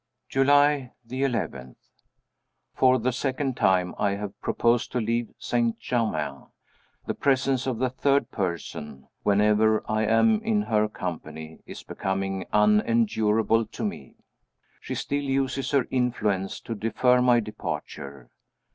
July 11. For the second time I have proposed to leave St. Germain. The presence of the third person, whenever I am in her company, is becoming unendurable to me. She still uses her influence to defer my departure.